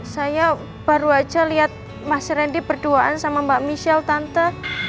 saya baru aja lihat mas randy berduaan sama mbak michelle tante